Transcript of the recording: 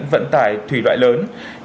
vận tải thủy loại lớn